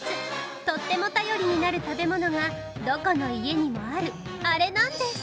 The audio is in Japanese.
とっても頼りになる食べ物がどこの家にもあるあれなんです。